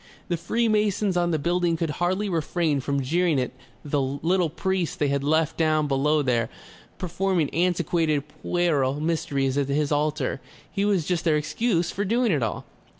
The Freemasons on the building could hardly refrain from jeering at the little priest they had left down below there, performing antiquated puerile mysteries at his altar. He was just their excuse for doing it all."